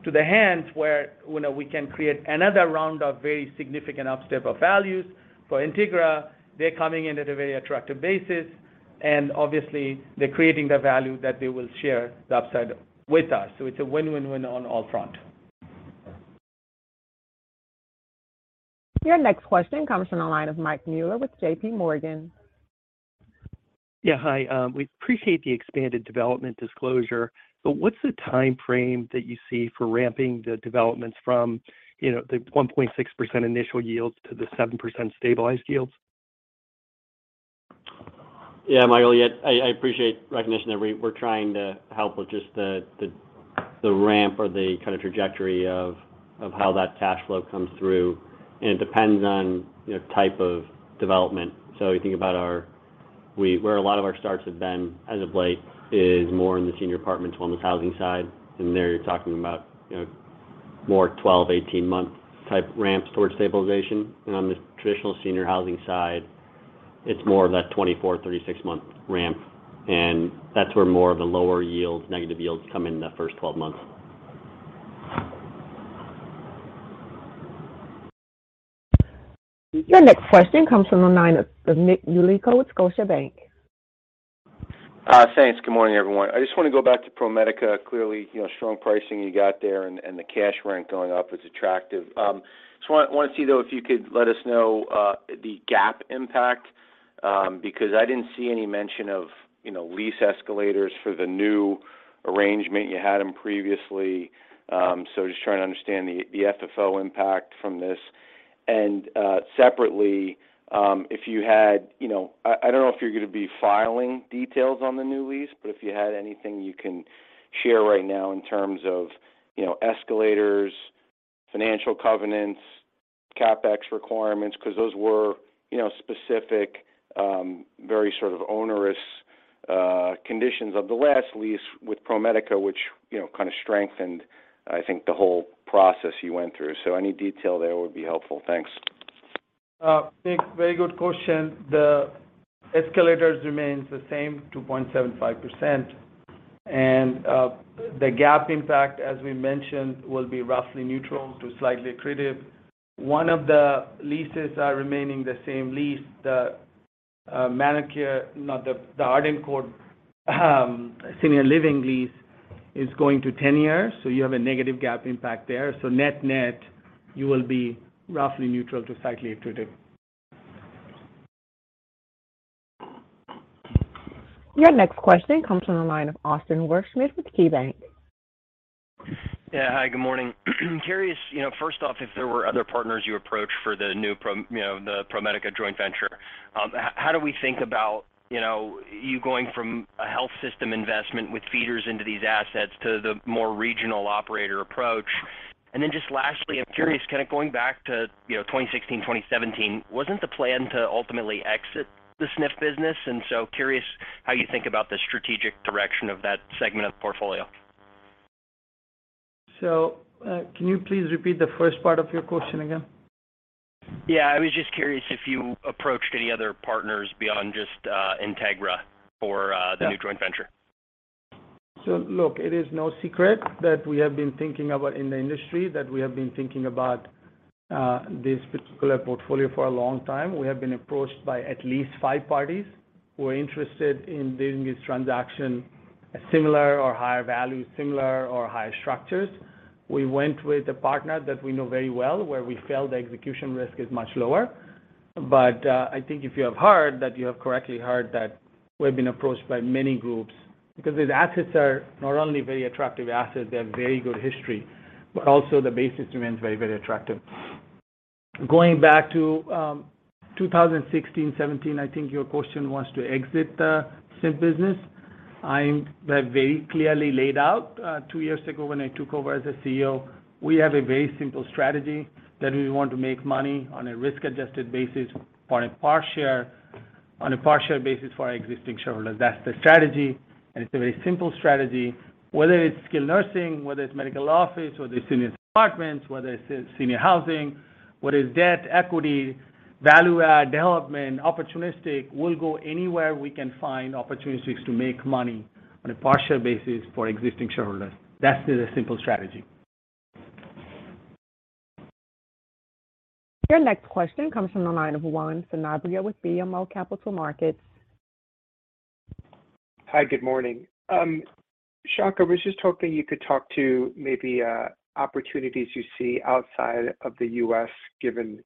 to the hands where we can create another round of very significant upstep of values. For Integra, they're coming in at a very attractive basis, and obviously they're creating the value that they will share the upside with us. It's a win-win-win on all front. Your next question comes from the line of Mike Mueller with JPMorgan. Yeah, hi. We appreciate the expanded development disclosure, what's the timeframe that you see for ramping the developments from the 1.6% initial yields to the 7% stabilized yields? Mike, I appreciate recognition that we're trying to help with just the ramp or the kind of trajectory of how that cash flow comes through. It depends on type of development. You think about where a lot of our starts have been as of late is more in the senior apartments, wellness housing side. There you're talking about more 12, 18 month type ramps towards stabilization. On the traditional senior housing side, it's more of that 24, 36 month ramp. That's where more of the lower yields, negative yields come in the first 12 months. Your next question comes from the line of Nicholas Yulico with Scotiabank. Thanks. Good morning, everyone. I just want to go back to ProMedica. Clearly, strong pricing you got there and the cash rent going up is attractive. Just want to see though, if you could let us know, the GAAP impact, because I didn't see any mention of lease escalators for the new arrangement. You had them previously. Just trying to understand the FFO impact from this. Separately, if you had, I don't know if you're going to be filing details on the new lease, but if you had anything you can share right now in terms of escalators, financial covenants, CapEx requirements, because those were specific, very sort of onerous conditions of the last lease with ProMedica, which kind of strengthened, I think, the whole process you went through. Any detail there would be helpful. Thanks. Nick, very good question. The escalators remains the same, 2.75%. The GAAP impact, as we mentioned, will be roughly neutral to slightly accretive. One of the leases are remaining the same lease. The Arden Courts senior living lease is going to 10 years, you have a negative GAAP impact there. Net-net, you will be roughly neutral to slightly accretive. Your next question comes from the line of Austin Wurschmidt with KeyBanc. Yeah. Hi, good morning. Curious, first off, if there were other partners you approached for the ProMedica joint venture. How do we think about you going from a health system investment with feeders into these assets to the more regional operator approach? Just lastly, I'm curious, going back to 2016, 2017, wasn't the plan to ultimately exit the SNF business? Curious how you think about the strategic direction of that segment of the portfolio. Can you please repeat the first part of your question again? Yeah, I was just curious if you approached any other partners beyond just Integra for the new joint venture. Look, it is no secret that we have been thinking about in the industry, that we have been thinking about this particular portfolio for a long time. We have been approached by at least 5 parties who are interested in doing this transaction at similar or higher value, similar or higher structures. We went with a partner that we know very well, where we feel the execution risk is much lower. I think if you have heard, that you have correctly heard that we've been approached by many groups. These assets are not only very attractive assets, they have very good history, but also the basis remains very, very attractive. Going back to 2016, 2017, I think your question was to exit the SNF business. I have very clearly laid out, 2 years ago when I took over as a CEO, we have a very simple strategy that we want to make money on a risk-adjusted basis, on a per share basis for our existing shareholders. That's the strategy. It's a very simple strategy. Whether it's skilled nursing, whether it's medical office, whether it's senior apartments, whether it's senior housing, whether it's debt, equity, value add, development, opportunistic, we'll go anywhere we can find opportunities to make money on a per share basis for existing shareholders. That's the simple strategy. Your next question comes from the line of Juan Sanabria with BMO Capital Markets. Hi, good morning. Shankh, I was just hoping you could talk to maybe opportunities you see outside of the U.S., given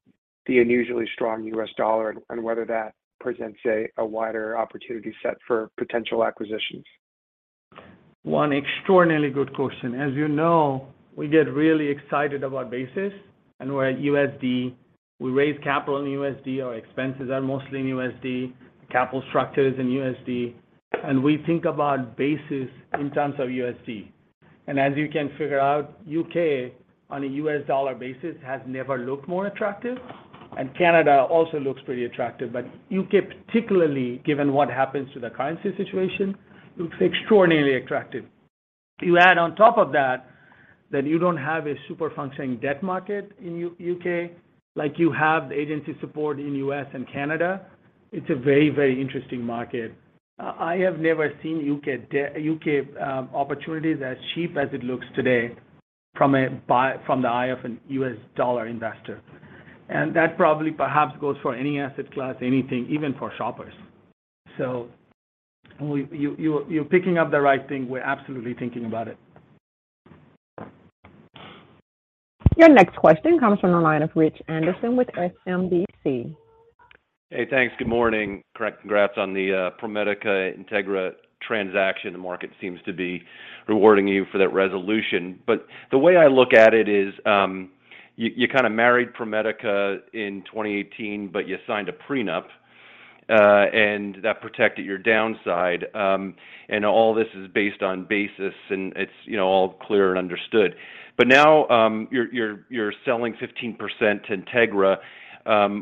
the unusually strong U.S. dollar, and whether that presents a wider opportunity set for potential acquisitions. One extraordinarily good question. As you know, we get really excited about basis, and we are at USD. We raise capital in USD. Our expenses are mostly in USD. Capital structure is in USD. We think about basis in terms of USD. As you can figure out, U.K. on a U.S. dollar basis has never looked more attractive, and Canada also looks pretty attractive. U.K. particularly, given what happens to the currency situation, looks extraordinarily attractive. You add on top of that you don't have a super functioning debt market in U.K. like you have the agency support in U.S. and Canada. It's a very, very interesting market. I have never seen U.K. opportunities as cheap as it looks today from the eye of a U.S. dollar investor. That probably perhaps goes for any asset class, anything, even for SHOPs. You're picking up the right thing. We're absolutely thinking about it. Your next question comes from the line of Rich Anderson with SMBC. Hey, thanks. Good morning. Congrats on the ProMedica Integra transaction. The market seems to be rewarding you for that resolution. The way I look at it is, you kind of married ProMedica in 2018, but you signed a prenup, and that protected your downside. All this is based on basis, and it's all clear and understood. Now, you're selling 15% to Integra.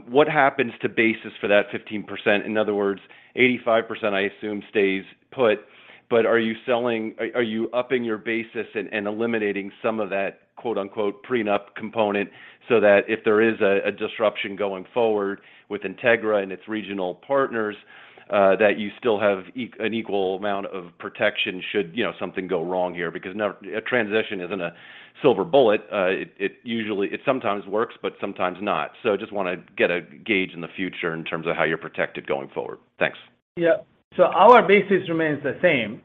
What happens to basis for that 15%? In other words, 85%, I assume, stays put. Are you upping your basis and eliminating some of that "prenup" component so that if there is a disruption going forward with Integra and its regional partners, that you still have an equal amount of protection should something go wrong here? A transition isn't a silver bullet. It sometimes works, but sometimes not. I just want to get a gauge in the future in terms of how you're protected going forward. Thanks. Our basis remains the same,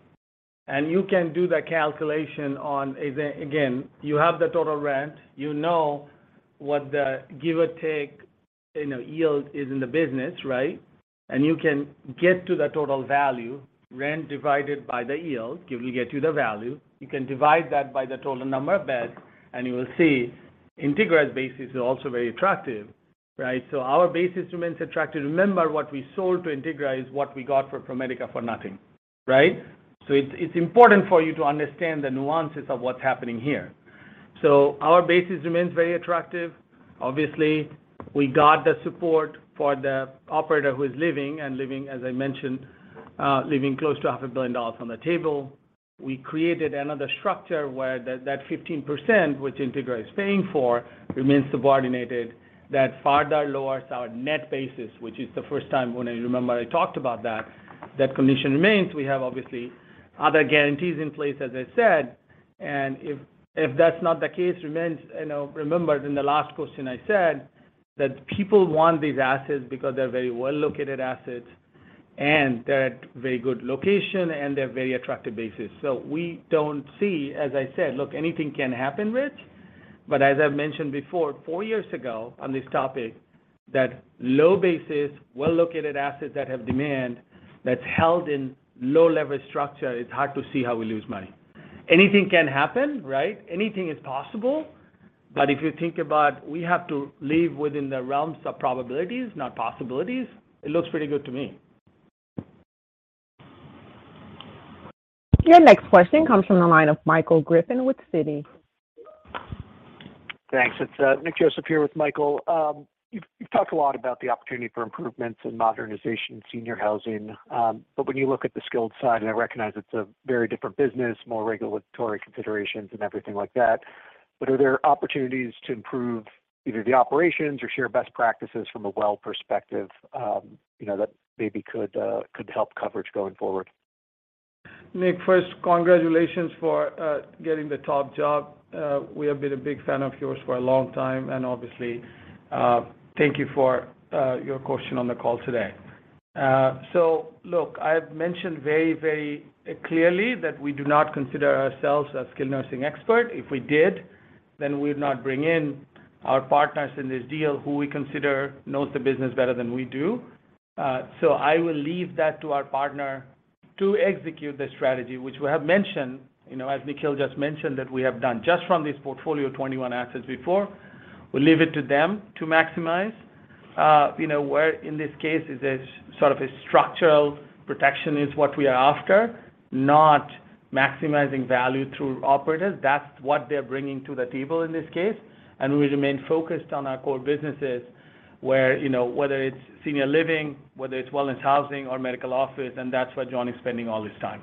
and you can do the calculation on Again, you have the total rent. You know what the give or take yield is in the business, right? You can get to the total value, rent divided by the yield, will get you the value. You can divide that by the total number of beds, and you will see Integra Health's basis is also very attractive. Right? Our basis remains attractive. Remember, what we sold to Integra Health is what we got for ProMedica for nothing. Right? It's important for you to understand the nuances of what's happening here. Our basis remains very attractive. Obviously, we got the support for the operator who is leaving, and leaving, as I mentioned, leaving close to half a billion dollars on the table. We created another structure where that 15%, which Integra Health is paying for, remains subordinated. That further lowers our net basis, which is the first time, when I remember I talked about that condition remains. We have obviously other guarantees in place, as I said. If that's not the case, remember in the last question I said that people want these assets because they're very well-located assets, and they're at very good location and they're very attractive basis. We don't see, as I said-- Look, anything can happen, Rich. As I've mentioned before, 4 years ago on this topic, that low basis, well-located assets that have demand that's held in low leverage structure, it's hard to see how we lose money. Anything can happen, right? Anything is possible. If you think about we have to live within the realms of probabilities, not possibilities, it looks pretty good to me. Your next question comes from the line of Michael Griffin with Citi. Thanks. It's Nick Joseph here with Michael. You've talked a lot about the opportunity for improvements in modernization in senior housing. When you look at the skilled side, and I recognize it's a very different business, more regulatory considerations and everything like that. Are there opportunities to improve either the operations or share best practices from a Well perspective that maybe could help coverage going forward? Nick, first, congratulations for getting the top job. We have been a big fan of yours for a long time, and obviously, thank you for your question on the call today. Look, I've mentioned very clearly that we do not consider ourselves a skilled nursing expert. If we did, then we would not bring in our partners in this deal, who we consider know the business better than we do. I will leave that to our partner to execute the strategy, which we have mentioned, as Nikhil just mentioned, that we have done just from this portfolio of 21 assets before. We'll leave it to them to maximize. Where in this case is a sort of structural protection is what we are after, not maximizing value through operators. That's what they're bringing to the table in this case, and we remain focused on our core businesses where, whether it's senior living, whether it's wellness housing or medical office, and that's where John is spending all his time.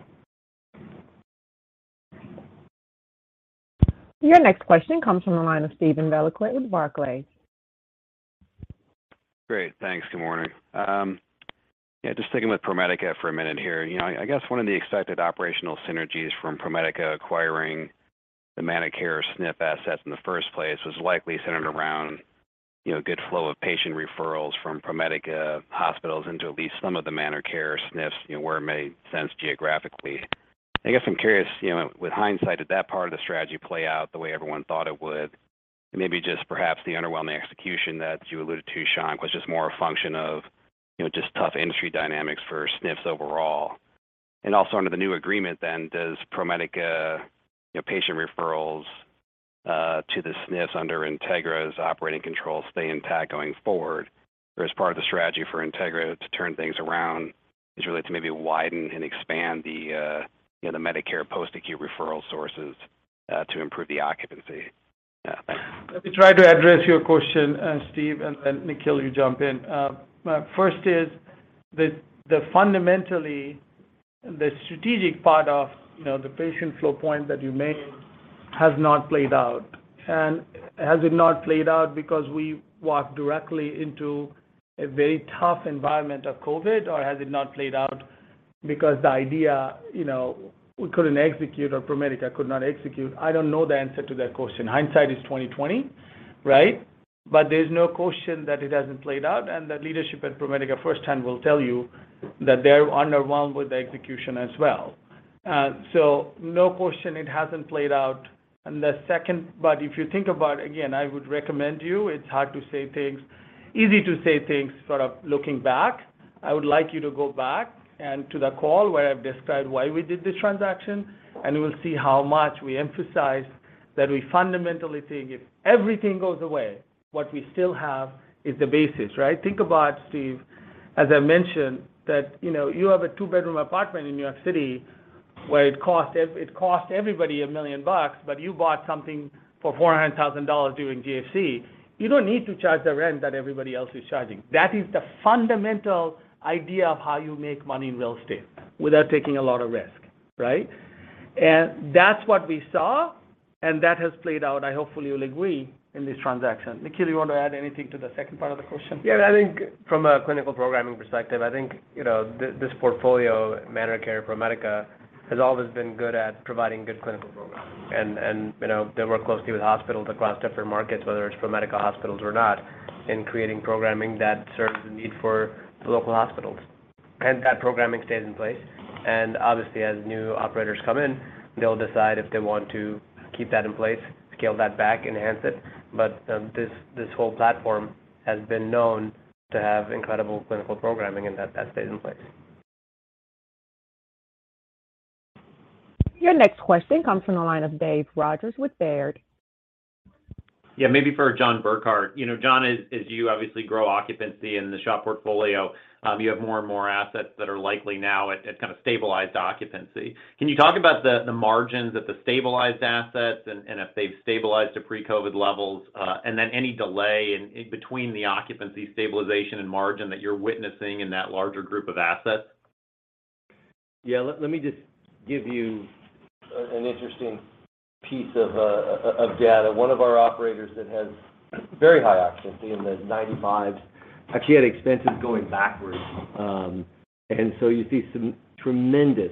Your next question comes from the line of Steven Valiquette with Barclays. Great. Thanks. Good morning. Just sticking with ProMedica for a minute here. I guess one of the expected operational synergies from ProMedica acquiring the ManorCare SNF assets in the first place was likely centered around good flow of patient referrals from ProMedica hospitals into at least some of the ManorCare SNFs, where it made sense geographically. I guess I'm curious, with hindsight, did that part of the strategy play out the way everyone thought it would? Maybe just perhaps the underwhelming execution that you alluded to, Shankh, was just more a function of just tough industry dynamics for SNFs overall. Also under the new agreement then, does ProMedica patient referrals to the SNFs under Integra's operating control stay intact going forward? Is part of the strategy for Integra to turn things around is really to maybe widen and expand the Medicare post-acute referral sources to improve the occupancy? Thanks. Let me try to address your question, Steve, then Nikhil, you jump in. First is that fundamentally, the strategic part of the patient flow point that you make has not played out. Has it not played out because we walked directly into a very tough environment of COVID, or has it not played out because the idea, we couldn't execute or ProMedica could not execute? I don't know the answer to that question. Hindsight is 2020, right? There's no question that it hasn't played out, and the leadership at ProMedica firsthand will tell you that they're underwhelmed with the execution as well. No question it hasn't played out. The second, but if you think about it, again, I would recommend you, it's easy to say things sort of looking back. I would like you to go back to the call where I've described why we did this transaction. We'll see how much we emphasize that we fundamentally think if everything goes away, what we still have is the basis, right? Think about Steve, as I mentioned, that you have a two-bedroom apartment in New York City where it costs everybody $1 million, but you bought something for $400,000 during GFC. You don't need to charge the rent that everybody else is charging. That is the fundamental idea of how you make money in real estate without taking a lot of risk, right? That's what we saw, and that has played out, I hopefully you'll agree, in this transaction. Nikhil, you want to add anything to the second part of the question? I think from a clinical programming perspective, I think this portfolio at ManorCare, ProMedica, has always been good at providing good clinical programming. They work closely with hospitals across different markets, whether it's ProMedica hospitals or not, in creating programming that serves the need for the local hospitals. That programming stays in place, and obviously as new operators come in, they'll decide if they want to keep that in place, scale that back, enhance it. This whole platform has been known to have incredible clinical programming, and that stays in place. Your next question comes from the line of David Rodgers with Baird. Maybe for John Burkart. John, as you obviously grow occupancy in the SHOP portfolio, you have more and more assets that are likely now at kind of stabilized occupancy. Can you talk about the margins at the stabilized assets and if they've stabilized to pre-COVID levels, and then any delay in between the occupancy stabilization and margin that you're witnessing in that larger group of assets? Let me just give you an interesting piece of data. One of our operators that has very high occupancy in the 95s, actually had expenses going backwards. You see some tremendous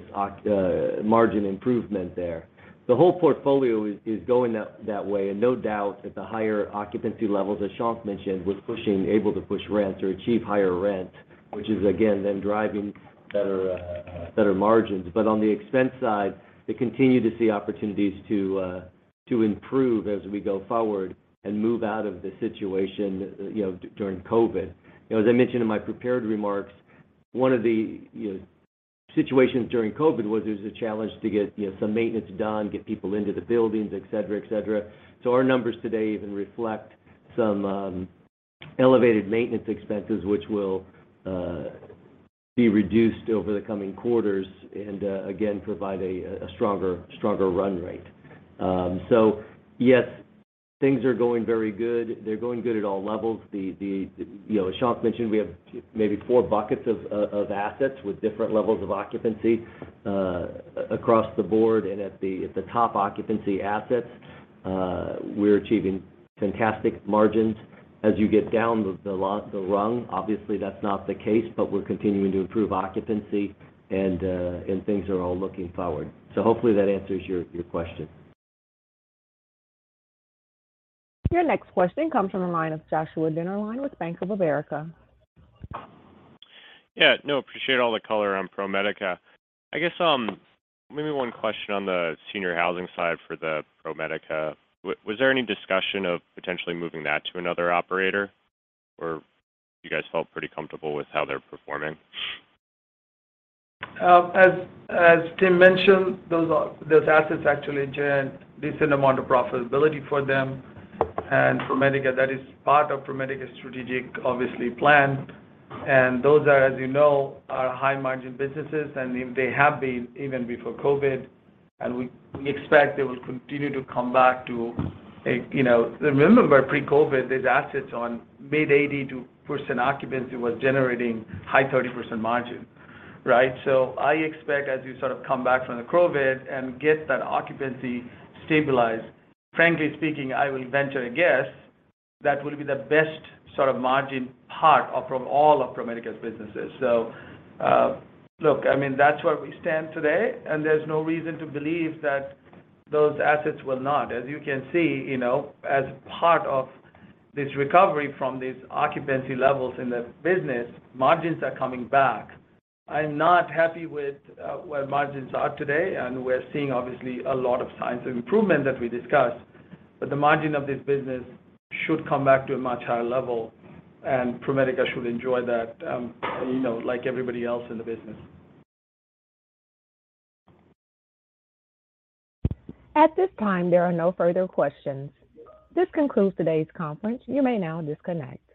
margin improvement there. The whole portfolio is going that way, and no doubt at the higher occupancy levels, as Shankh mentioned, was able to push rents or achieve higher rent, which is again, driving better margins. On the expense side, they continue to see opportunities to improve as we go forward and move out of the situation during COVID. As I mentioned in my prepared remarks, one of the situations during COVID was there was a challenge to get some maintenance done, get people into the buildings, et cetera. Our numbers today even reflect some elevated maintenance expenses, which will be reduced over the coming quarters and again, provide a stronger run rate. Yes, things are going very good. They're going good at all levels. As Shankh mentioned, we have maybe four buckets of assets with different levels of occupancy across the board. At the top occupancy assets, we're achieving fantastic margins. As you get down the rung, obviously, that's not the case, but we're continuing to improve occupancy, and things are all looking forward. Hopefully that answers your question. Your next question comes from the line of Joshua Dennerlein with Bank of America. Appreciate all the color on ProMedica. I guess, maybe one question on the senior housing side for the ProMedica. Was there any discussion of potentially moving that to another operator, or you guys felt pretty comfortable with how they're performing? As Tim mentioned, those assets actually generate a decent amount of profitability for them, ProMedica, that is part of ProMedica's strategic, obviously, plan. Those are, as you know, are high-margin businesses, and they have been even before COVID. We expect they will continue to come back. Remember pre-COVID, these assets on mid-80% occupancy was generating high 30% margin, right? I expect as we sort of come back from the COVID and get that occupancy stabilized, frankly speaking, I will venture a guess, that will be the best sort of margin part of all of ProMedica's businesses. Look, that's where we stand today, and there's no reason to believe that those assets will not. As you can see, as part of this recovery from these occupancy levels in the business, margins are coming back. I'm not happy with where margins are today, and we're seeing obviously a lot of signs of improvement that we discussed. The margin of this business should come back to a much higher level, and ProMedica should enjoy that like everybody else in the business. At this time, there are no further questions. This concludes today's conference. You may now disconnect.